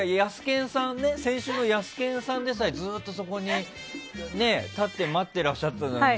先週のヤスケンさんでさえずっと、そこに立って待っていらっしゃったじゃない。